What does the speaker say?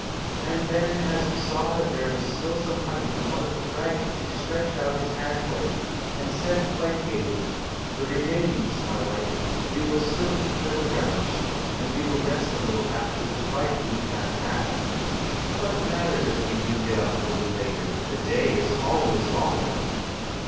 And then as he saw that there was still some honey in one of the fragments he stretched out his hand for it, and said quite gaily, "The remains, my wife, we will still eat with a relish, and we will rest a little after the fright we have had. What matters if we do get up a little later the day is always long enough."